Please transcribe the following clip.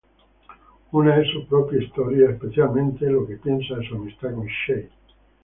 Una es su propia historia, especialmente lo que piensa de su amistad con Shade.